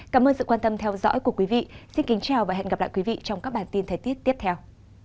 cảm ơn sự quan tâm theo dõi của quý vị xin kính chào và hẹn gặp lại quý vị trong các bản tin thời tiết tiếp theo